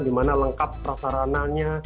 di mana lengkap prasarananya